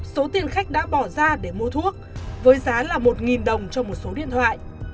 số tiền khách đã bỏ ra để mua thuốc với giá là một đồng cho một số điện thoại